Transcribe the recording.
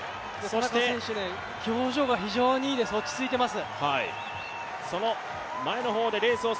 田中選手、表情が非常にいいです、落ち着いています。